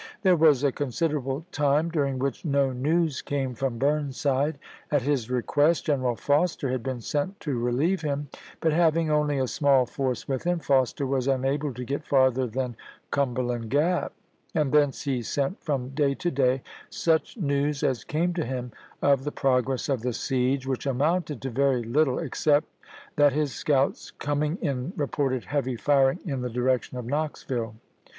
There was a considerable time during which no news came from Burnside. At his request General Foster had been sent to relieve him; but, having only a small force with him, Foster was unable to get farther than Cumberland Gap ; and thence he sent from day to day such news as came to him of the progress of the siege, which amounted to very little, except that his scouts com ing in reported heavy firing in the direction of Knoxville.